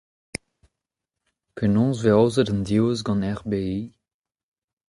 Penaos e vez aozet un devezh gant R B I ?